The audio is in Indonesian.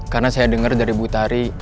karena saya denger dari butari